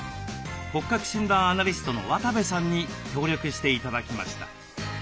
骨格診断アナリストの渡部さんに協力して頂きました。